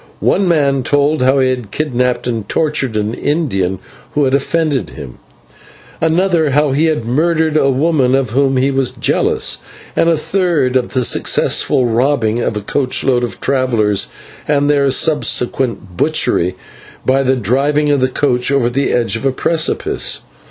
One man told how he had kidnapped and tortured an Indian who had offended him; another, how he had murdered a woman of who he was jealous; and the third, of the successful robbing of a coach load of travellers, and their subsequent butchery by the driving of the coach over the edge of a precipice.